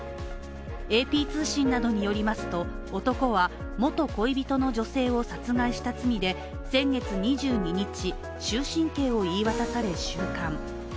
ＡＰ通信などによりますと、男は元恋人の女性を殺害した罪で先月２２日、終身刑を言い渡され収監。